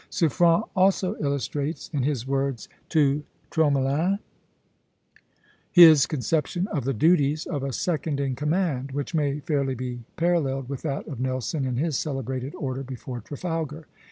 Suffren also illustrates, in his words to Tromelin, his conception of the duties of a second in command, which may fairly be paralleled with that of Nelson in his celebrated order before Trafalgar.